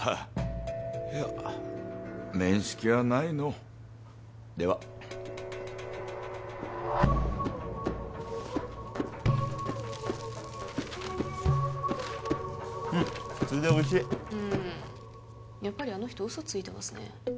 いや面識はないのうではうんっ普通でおいしいうーんやっぱりあの人嘘ついてますね